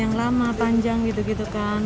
yang lama panjang gitu gitu kan